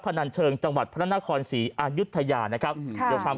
นันเชิงจังหวัดพระนครศรีอายุทยานะครับเดี๋ยวความ